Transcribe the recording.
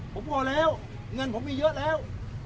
ผมพอแล้วเงินผมมีเยอะแล้ว